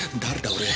俺。